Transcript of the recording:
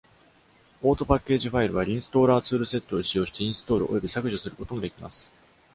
Autopackage ファイルは、Listaller ツールセットを使用してインストールおよび削除することもできます。